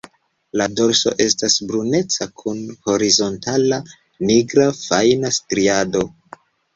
La dorso estas bruneca kun horizontala nigra fajna striado.